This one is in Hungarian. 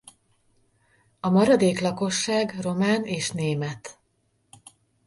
A maradék lakosság román és német.